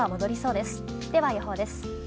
では予報です。